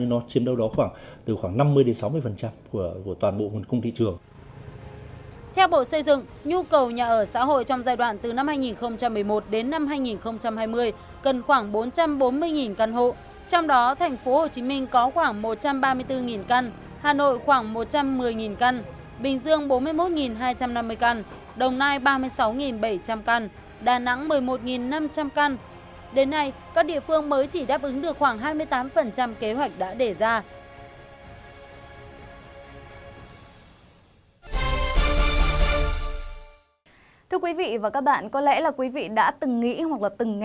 nó chiếm đâu đó khoảng năm mươi sáu mươi của toàn bộ nguồn công thị trường